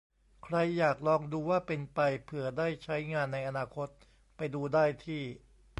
ใครอยากลองดูว่าเป็นไป เผื่อได้ใช้งานในอนาคต ไปดูได้ที่